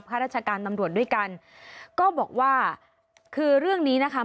ข้าราชการตำรวจด้วยกันก็บอกว่าคือเรื่องนี้นะคะ